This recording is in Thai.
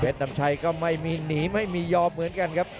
นำชัยก็ไม่มีหนีไม่มียอมเหมือนกันครับ